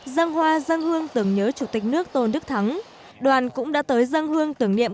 giăng hoa giăng hương tưởng nhớ chủ tịch nước tôn đức thắng đoàn cũng đã tới giăng hương tưởng niệm